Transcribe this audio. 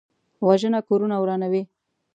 وژنه کورونه ورانوي